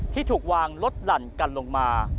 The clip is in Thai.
ที่ถูกวางลดหลั่นกันลงมา